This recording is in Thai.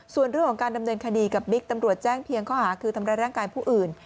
ส่วนเรื่องของการดำเนินคดีกับบิ๊กตำรวจแจ้งเพียงข้อหาคือทำร้ายร่างกายผู้อื่น